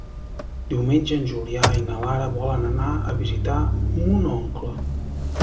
Diumenge en Julià i na Lara volen anar a visitar mon oncle.